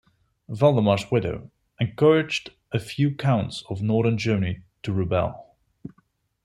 Valdemar's widow encouraged a few counts of northern Germany to rebel.